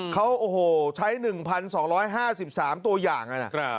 เขาโอ้โหใช้๑๒๕๓ตัวอย่างนะ